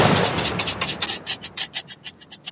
ერთი პერიოდი იმყოფებოდა რუსული პოლიციის ზედამხედველობის ქვეშ.